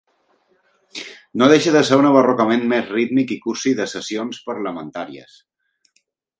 No deixa de ser un abarrocament més rítmic i cursi de "sessions parlamentàries".